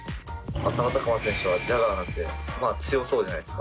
浅野拓磨選手はジャガーなんで強そうじゃないですか。